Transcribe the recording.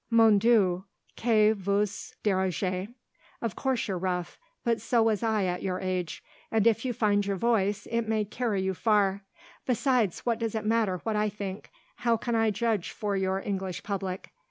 "Mon Dieu, que vous dirai je? Of course you're rough; but so was I at your age. And if you find your voice it may carry you far. Besides, what does it matter what I think? How can I judge for your English public?"